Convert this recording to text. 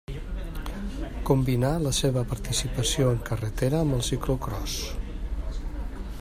Combinà la seva participació en carretera amb el ciclocròs.